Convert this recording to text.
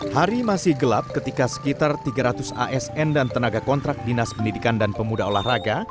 hari masih gelap ketika sekitar tiga ratus asn dan tenaga kontrak dinas pendidikan dan pemuda olahraga